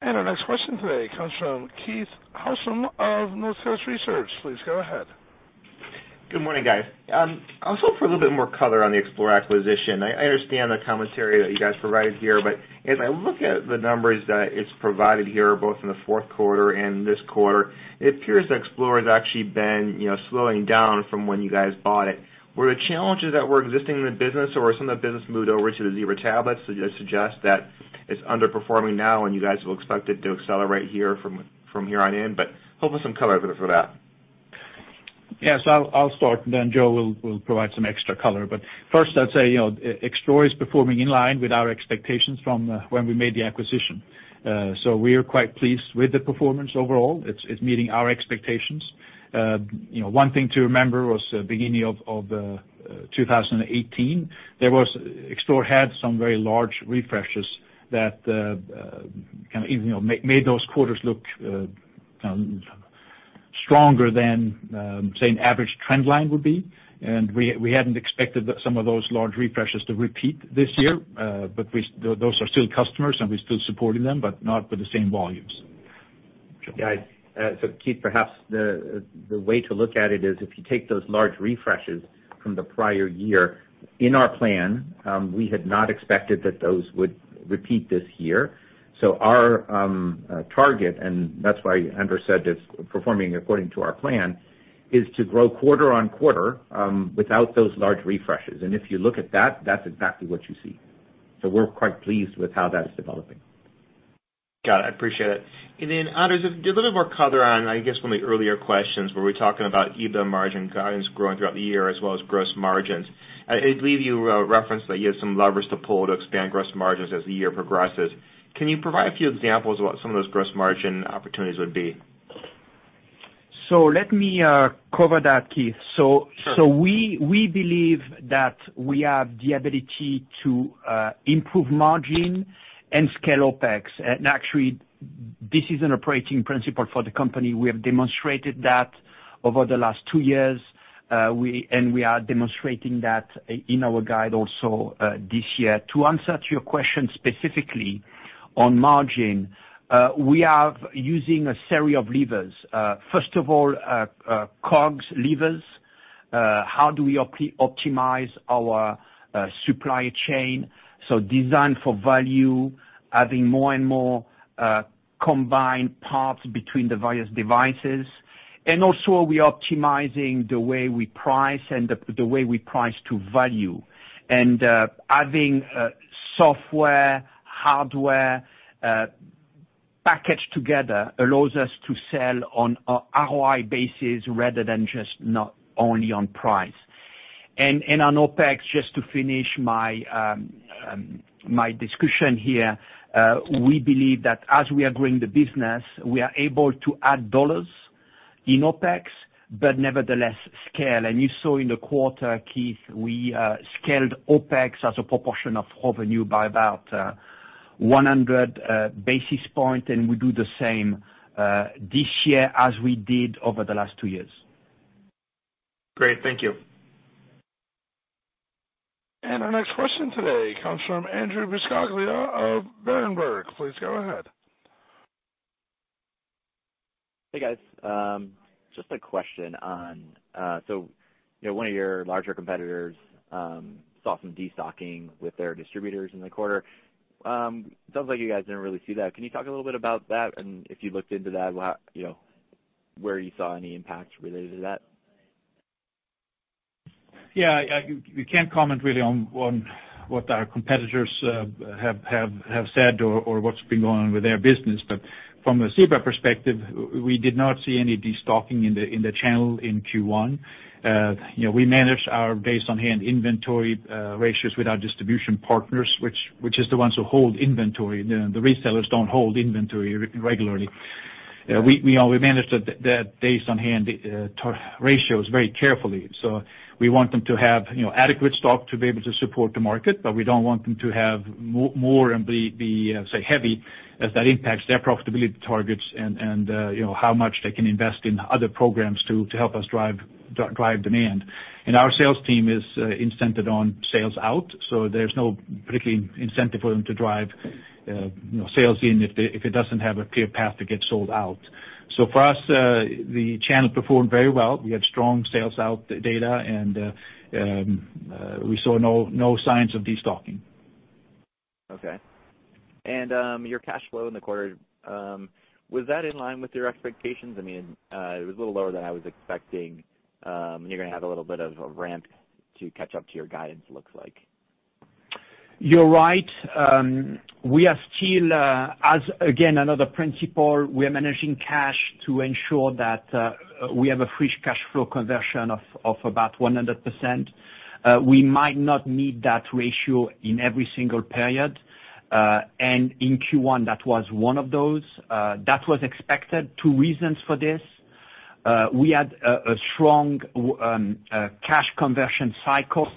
Speaker 1: Our next question today comes from Keith Housum of Northcoast Research. Please go ahead.
Speaker 11: Good morning, guys. For a little bit more color on the Xplore acquisition. I understand the commentary that you guys provided here, but as I look at the numbers that it's provided here, both in the fourth quarter and this quarter, it appears that Xplore has actually been slowing down from when you guys bought it. Were the challenges that were existing in the business or some of the business moved over to the Zebra tablets to suggest that it's underperforming now and you guys will expect it to accelerate from here on in, hopefully some color for that?
Speaker 3: Yeah. I'll start and Joe will provide some extra color. First I'd say, Xplore is performing in line with our expectations from when we made the acquisition. We are quite pleased with the performance overall. It's meeting our expectations. One thing to remember was beginning of 2018, Xplore had some very large refreshes that made those quarters look stronger than, say, an average trend line would be. We hadn't expected some of those large refreshes to repeat this year. Those are still customers, and we're still supporting them, but not with the same volumes. Joe?
Speaker 6: Yeah. Keith, perhaps the way to look at it is if you take those large refreshes from the prior year in our plan, we had not expected that those would repeat this year. Our target, and that's why Anders said it's performing according to our plan, is to grow quarter-on-quarter, without those large refreshes. If you look at that's exactly what you see. We're quite pleased with how that is developing.
Speaker 11: Got it. I appreciate it. Anders, a little more color on, I guess, one of the earlier questions where we were talking about EBITDA margin guidance growing throughout the year as well as gross margins. I believe you referenced that you had some levers to pull to expand gross margins as the year progresses. Can you provide a few examples of what some of those gross margin opportunities would be?
Speaker 4: let me cover that, Keith.
Speaker 11: Sure.
Speaker 4: We believe that we have the ability to improve margin and scale OpEx. Actually, this is an operating principle for the company. We have demonstrated that over the last two years, and we are demonstrating that in our guide also this year. To answer to your question specifically on margin, we are using a series of levers. First of all, COGS levers, how do we optimize our supply chain? Design for value, adding more and more combined parts between the various devices. Also, we're optimizing the way we price and the way we price to value. Adding software, hardware packaged together allows us to sell on ROI basis rather than just not only on price. On OpEx, just to finish my discussion here, we believe that as we are growing the business, we are able to add dollars in OpEx, but nevertheless scale. You saw in the quarter, Keith, we scaled OpEx as a proportion of revenue by about 100 basis points, and we do the same this year as we did over the last two years.
Speaker 11: Great. Thank you.
Speaker 1: Our next question today comes from Andrew Buscaglia of Berenberg. Please go ahead.
Speaker 12: Hey, guys. Just a question on, one of your larger competitors saw some de-stocking with their distributors in the quarter. Sounds like you guys didn't really see that. Can you talk a little bit about that? If you looked into that, where you saw any impacts related to that?
Speaker 3: Yeah. We can't comment really on what our competitors have said or what's been going on with their business. From a Zebra perspective, we did not see any de-stocking in the channel in Q1. We manage our base on hand inventory ratios with our distribution partners, which is the ones who hold inventory. The resellers don't hold inventory regularly. Yeah. We manage the days on hand ratios very carefully. We want them to have adequate stock to be able to support the market, but we don't want them to have more and be heavy, as that impacts their profitability targets and how much they can invest in other programs to help us drive demand. Our sales team is incented on sales out, so there's no particular incentive for them to drive sales in if it doesn't have a clear path to get sold out. For us, the channel performed very well. We had strong sales out data, and we saw no signs of destocking.
Speaker 12: Okay. Your cash flow in the quarter, was that in line with your expectations? It was a little lower than I was expecting. You're going to have a little bit of a ramp to catch up to your guidance, looks like.
Speaker 4: You're right. As again, another principle, we are managing cash to ensure that we have a free cash flow conversion of about 100%. We might not meet that ratio in every single period. In Q1, that was one of those. That was expected. Two reasons for this. We had a strong cash conversion cycle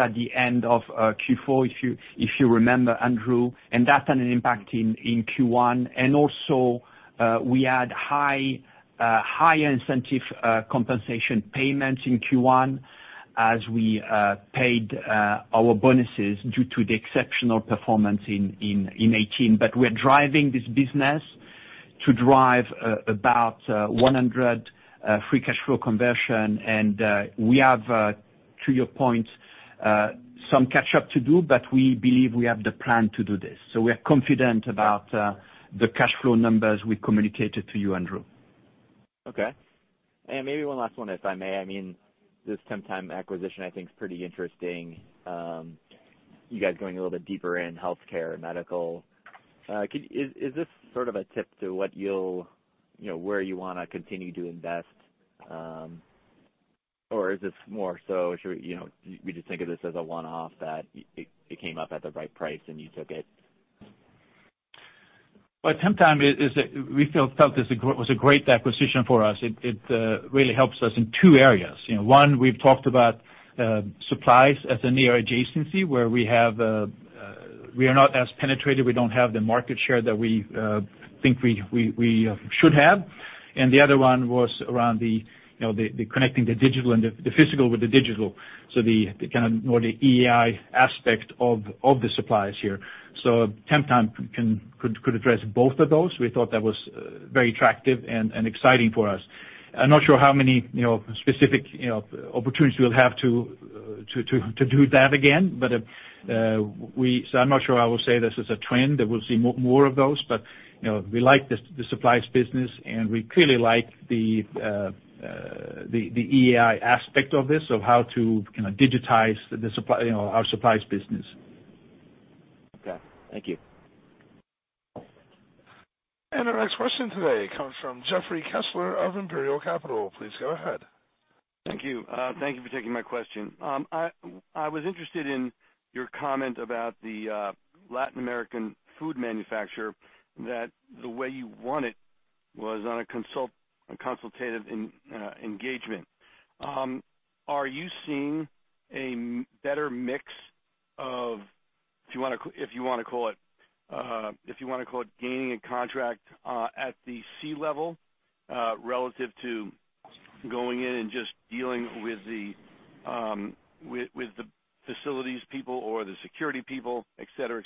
Speaker 4: at the end of Q4, if you remember, Andrew Buscaglia, and that had an impact in Q1, and also, we had higher incentive compensation payments in Q1 as we paid our bonuses due to the exceptional performance in 2018. We're driving this business to drive about 100% free cash flow conversion. We have, to your point, some catch up to do, but we believe we have the plan to do this. We are confident about the cash flow numbers we communicated to you, Andrew Buscaglia.
Speaker 12: Okay. Maybe one last one, if I may. This Temptime acquisition I think is pretty interesting. You guys going a little bit deeper in healthcare, medical. Is this sort of a tip to where you want to continue to invest? Is this more so, we just think of this as a one-off, that it came up at the right price and you took it?
Speaker 3: Well, Temptime, we felt was a great acquisition for us. It really helps us in two areas. One, we've talked about supplies as a near adjacency, where we are not as penetrated. We don't have the market share that we think we should have. The other one was around the connecting the physical with the digital. The kind of more the EI aspect of the supplies here. Temptime could address both of those. We thought that was very attractive and exciting for us. I'm not sure how many specific opportunities we'll have to do that again. I'm not sure I will say this is a trend, that we'll see more of those. We like the supplies business, and we clearly like the EI aspect of this, of how to digitize our supplies business.
Speaker 12: Okay. Thank you.
Speaker 1: Our next question today comes from Jeffrey Kessler of Imperial Capital. Please go ahead.
Speaker 13: Thank you. Thank you for taking my question. I was interested in your comment about the Latin American food manufacturer, that the way you want it was on a consultative engagement. Are you seeing a better mix of, if you want to call it gaining a contract at the C-level, relative to going in and just dealing with the facilities people or the security people, et cetera?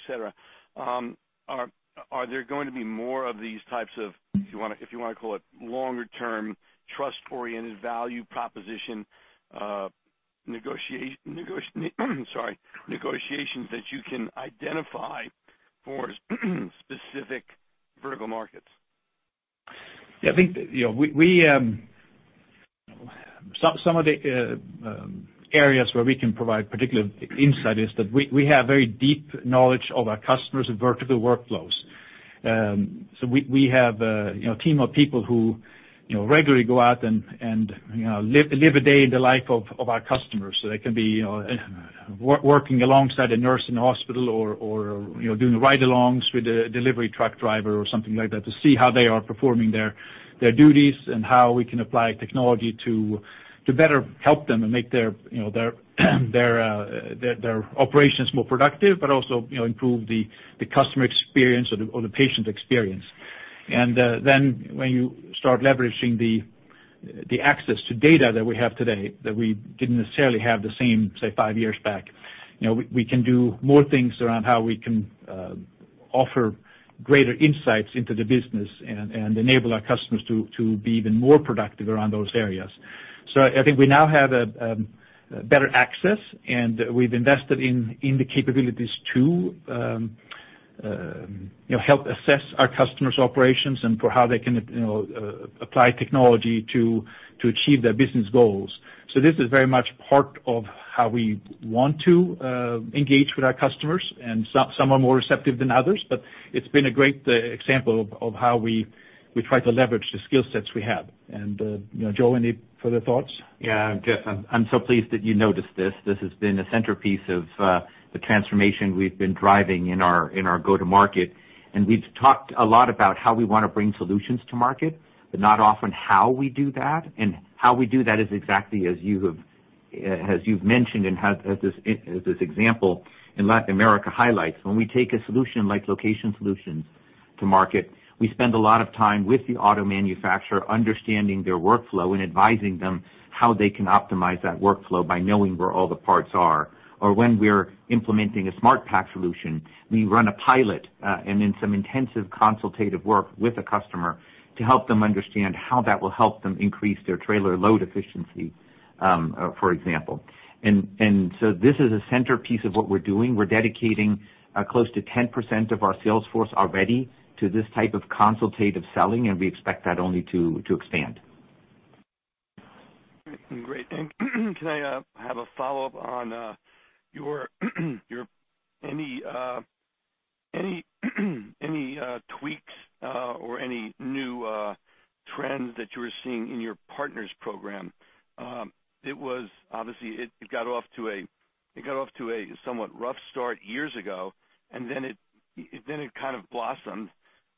Speaker 13: Are there going to be more of these types of, if you want to call it longer term, trust-oriented value proposition negotiations that you can identify for specific vertical markets?
Speaker 3: Yeah. Some of the areas where we can provide particular insight is that we have very deep knowledge of our customers' vertical workflows. We have a team of people who regularly go out and live a day in the life of our customers. They can be working alongside a nurse in a hospital or doing ride-alongs with a delivery truck driver or something like that, to see how they are performing their duties and how we can apply technology to better help them and make their operations more productive, but also improve the customer experience or the patient experience. When you start leveraging the access to data that we have today, that we didn't necessarily have the same, say, five years back, we can do more things around how we can offer greater insights into the business and enable our customers to be even more productive around those areas. I think we now have better access, and we've invested in the capabilities to help assess our customers' operations and for how they can apply technology to achieve their business goals. This is very much part of how we want to engage with our customers, and some are more receptive than others, but it's been a great example of how we try to leverage the skill sets we have. Joe, any further thoughts?
Speaker 6: Yeah. Geoff, I'm so pleased that you noticed this. This has been a centerpiece of the transformation we've been driving in our go-to market. We've talked a lot about how we want to bring solutions to market, but not often how we do that. How we do that is exactly as you've mentioned, and as this example in Latin America highlights, when we take a solution like location solutions to market, we spend a lot of time with the auto manufacturer understanding their workflow and advising them how they can optimize that workflow by knowing where all the parts are. Or when we're implementing a SmartPack solution, we run a pilot, and then some intensive consultative work with a customer to help them understand how that will help them increase their trailer load efficiency, for example. This is a centerpiece of what we're doing. We're dedicating close to 10% of our sales force already to this type of consultative selling, and we expect that only to expand.
Speaker 13: Great. Thank you. Can I have a follow-up on any tweaks or any new trends that you are seeing in your Partners Program? Obviously, it got off to a somewhat rough start years ago, and then it kind of blossomed.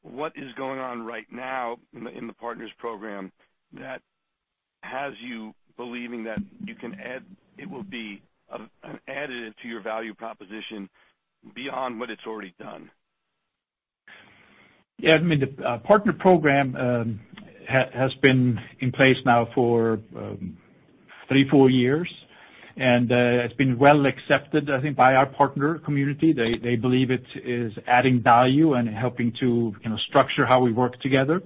Speaker 13: What is going on right now in the Partners Program that has you believing that it will be added into your value proposition beyond what it's already done?
Speaker 3: The partner program has been in place now for three, four years, and it's been well accepted, I think, by our partner community. They believe it is adding value and helping to structure how we work together.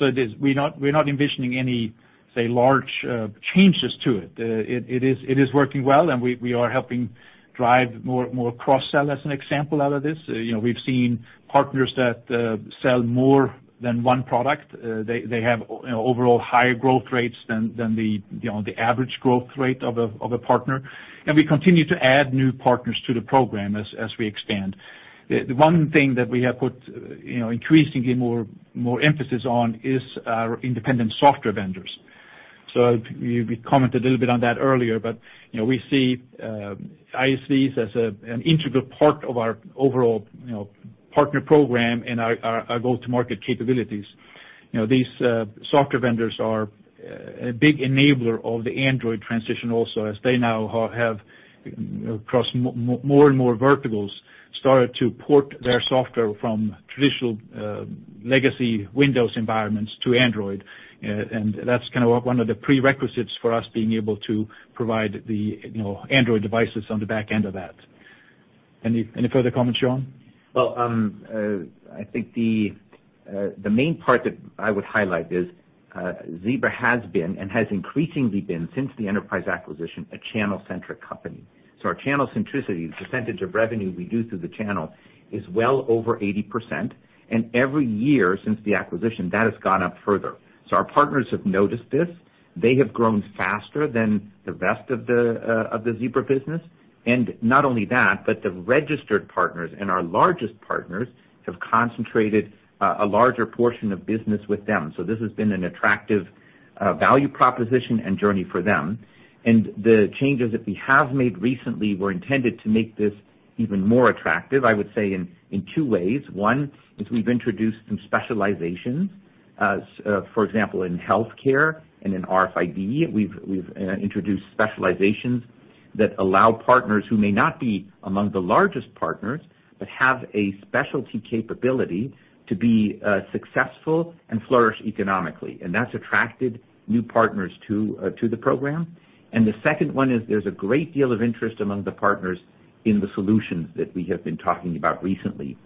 Speaker 3: We're not envisioning any, say, large changes to it. It is working well, and we are helping drive more cross-sell, as an example, out of this. We've seen partners that sell more than one product. They have overall higher growth rates than the average growth rate of a partner. We continue to add new partners to the program as we expand. The one thing that we have put increasingly more emphasis on is our Independent Software Vendors. We commented a little bit on that earlier, but we see ISVs as an integral part of our overall partner program and our go-to-market capabilities. These software vendors are a big enabler of the Android transition also, as they now have, across more and more verticals, started to port their software from traditional legacy Windows environments to Android. That's one of the prerequisites for us being able to provide the Android devices on the back end of that. Any further comments, Joe?
Speaker 6: Well, I think the main part that I would highlight is Zebra has been, and has increasingly been since the enterprise acquisition, a channel centric company. Our channel centricity, the percentage of revenue we do through the channel, is well over 80%. Every year since the acquisition, that has gone up further. Our partners have noticed this. They have grown faster than the rest of the Zebra business. Not only that, but the registered partners and our largest partners have concentrated a larger portion of business with them. This has been an attractive value proposition and journey for them. The changes that we have made recently were intended to make this even more attractive, I would say, in two ways. One is we've introduced some specializations. For example, in healthcare and in RFID, we've introduced specializations that allow partners who may not be among the largest partners, but have a specialty capability to be successful and flourish economically. That's attracted new partners to the program. The second one is there's a great deal of interest among the partners in the solutions that we have been talking about recently.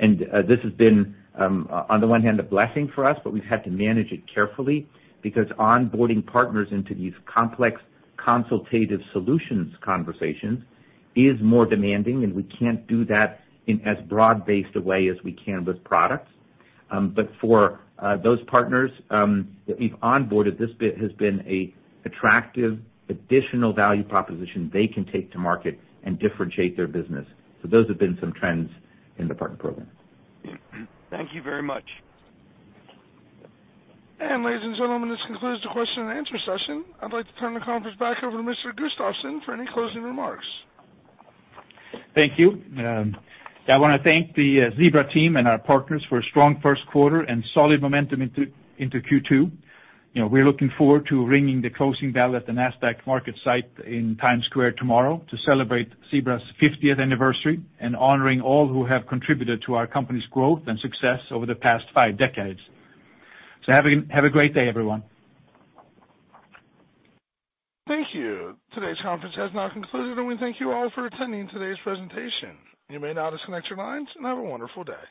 Speaker 6: This has been, on the one hand, a blessing for us, we've had to manage it carefully because onboarding partners into these complex consultative solutions conversations is more demanding, and we can't do that in as broad based a way as we can with products. For those partners that we've onboarded, this bit has been an attractive additional value proposition they can take to market and differentiate their business. Those have been some trends in the partner program.
Speaker 13: Thank you very much.
Speaker 1: Ladies and gentlemen, this concludes the question and answer session. I'd like to turn the conference back over to Mr. Gustafsson for any closing remarks.
Speaker 3: Thank you. I want to thank the Zebra team and our partners for a strong first quarter and solid momentum into Q2. We're looking forward to ringing the closing bell at the Nasdaq market site in Times Square tomorrow to celebrate Zebra's 50th anniversary, and honoring all who have contributed to our company's growth and success over the past five decades. Have a great day, everyone.
Speaker 1: Thank you. Today's conference has now concluded, and we thank you all for attending today's presentation. You may now disconnect your lines, and have a wonderful day.